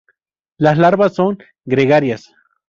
Las larvas son gregarias.